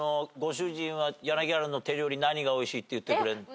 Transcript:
ご主人は柳原の手料理何がおいしいって言ってくれる？